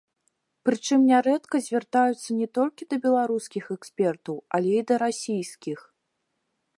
Прычым нярэдка звяртаюцца не толькі да беларускіх экспертаў, але і да расійскіх.